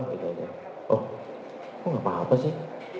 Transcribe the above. kok gak apa apa sih